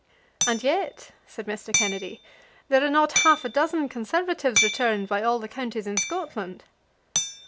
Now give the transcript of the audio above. "And yet," said Mr. Kennedy, "there are not half a dozen Conservatives returned by all the counties in Scotland."